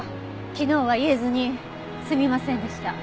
昨日は言えずにすみませんでした。